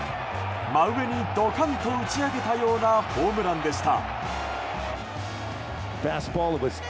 真上にドカンと打ち上げたようなホームランでした。